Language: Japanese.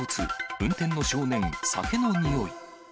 運転の少年、酒のにおい。